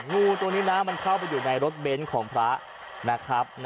งูตัวนี้นะมันเข้าไปอยู่ในรถเบนท์ของพระนะครับ